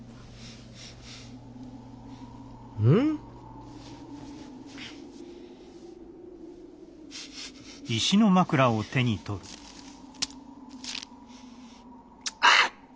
うん？あっ！